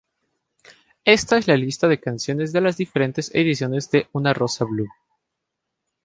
Esta es la lista de canciones de las diferentes ediciones de "Una rosa blu".